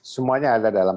semuanya ada dalam